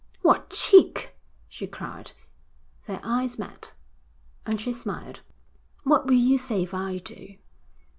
'What cheek!' she cried. Their eyes met, and she smiled. 'What will you say if I do?'